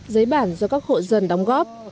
giấy bản do các hộ dân đóng